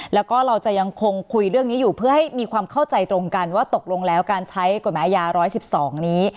แล้วก็เราจะยังคงคุยเรื่องนี้อยู่เพื่อให้มีความเข้าใจตรงกันว่าตกลงแล้วการใช้กฎหมายยา๑๑๒นี้